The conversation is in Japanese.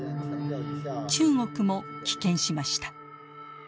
中国も棄権しました。